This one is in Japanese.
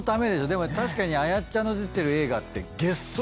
でも確かにあやっちゃんの出てる映画ってげっそりしてる。